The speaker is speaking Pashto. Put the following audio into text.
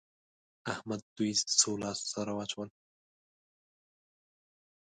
احمد دوی څو لاس سره واچول؟